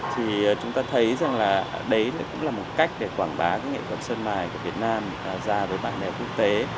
thì chúng ta thấy rằng là đấy cũng là một cách để quảng bá cái nghệ thuật sơn mài của việt nam ra với bạn bè quốc tế